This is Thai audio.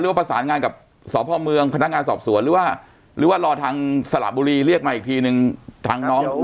ว่าประสานงานกับสพเมืองพนักงานสอบสวนหรือว่าหรือว่ารอทางสระบุรีเรียกมาอีกทีนึงทางน้อง